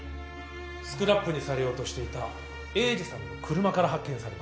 スクラップにされようとしていた栄治さんの車から発見されました。